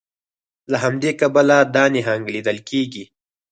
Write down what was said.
له همدې کبله دا نهنګ لیدل کیږي